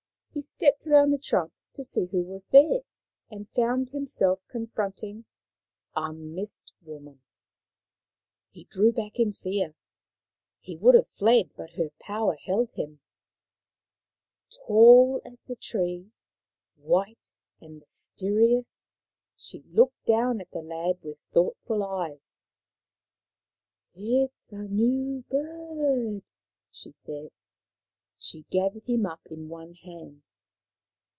He stepped round the trunk to see who was there, and found himself confronting a Mist woman. He drew back in fear. He would have fled, but her power held him. Tall as the tree, white and mysterious, she looked down at the lad with thoughtful eyes. " It is a new bird," she said. She gathered him up in one hand.